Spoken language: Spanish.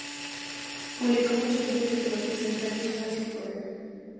Publicó muchos libros entre los que se encuentra "Infancia y poder.